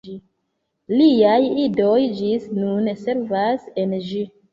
Liaj idoj ĝis nun servas en ĝi.